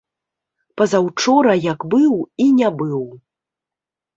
Пазаўчора як быў і не быў.